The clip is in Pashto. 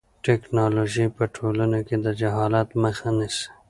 ټیکنالوژي په ټولنه کې د جهالت مخه نیسي.